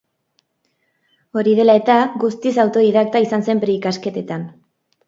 Hori dela eta, guztiz autodidakta izan zen bere ikasketetan.